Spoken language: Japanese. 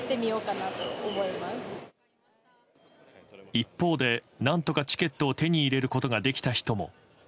一方で、何とかチケットを手に入れることができた人も。